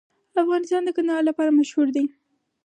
افغانستان د کندهار لپاره مشهور دی.